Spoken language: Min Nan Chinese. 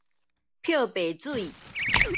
漂白水